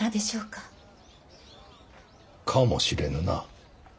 かもしれぬな。